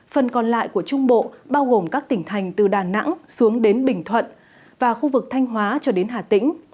phần còn lại của trung bộ bao gồm các tỉnh thành từ đà nẵng xuống đến bình thuận và khu vực thanh hóa cho đến hà tĩnh